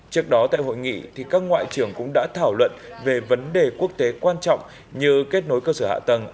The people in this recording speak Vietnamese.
trước đó tại hội nghị các ngoại trưởng cũng đã thảo luận về vấn đề quốc tế quan trọng như kết nối cơ sở hạ tầng